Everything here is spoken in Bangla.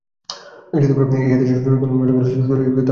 এই হাদীসের সনদ ও মতন সূরা ইউসুফের তাফসীরে বর্ণনা করা হয়েছে।